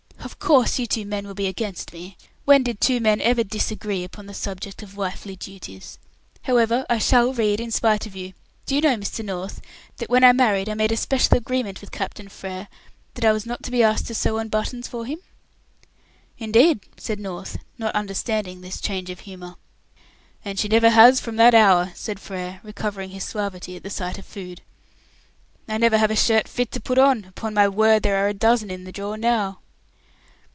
"Of course, you two men will be against me. When did two men ever disagree upon the subject of wifely duties? However, I shall read in spite of you. Do you know, Mr. North, that when I married I made a special agreement with Captain Frere that I was not to be asked to sew on buttons for him?" "Indeed!" said North, not understanding this change of humour. "And she never has from that hour," said Frere, recovering his suavity at the sight of food. "I never have a shirt fit to put on. Upon my word, there are a dozen in the drawer now."